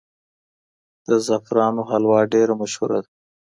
د زعفرانو حلوا ډېره مشهوره ده.